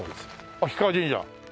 あっ氷川神社。